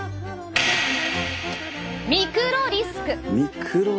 ミクロリスク？